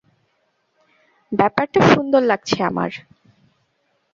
ব্যাপারটা সুন্দর লাগছে আমার।